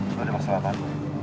gak ada masalah pan